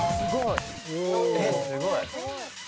すごい。